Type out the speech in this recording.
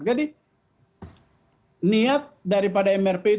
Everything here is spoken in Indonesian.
jadi niat daripada mrp itu sepiat